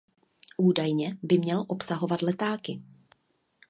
Údajně by měl obsahovat letáky.